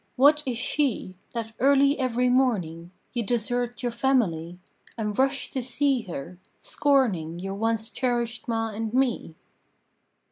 What is she That early every morning You desert your family And rush to see her, scorning Your once cherished ma and me?